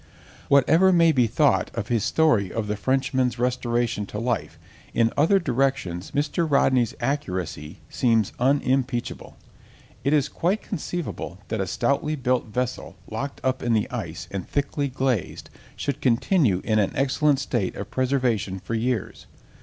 Whatever may be thought of his story of the Frenchman's restoration to life, in other directions Mr. Rodney's accuracy seems unimpeachable. It is quite conceivable that a stoutly built vessel locked up in the ice and thickly glazed, should continue in an excellent state of preservation for years.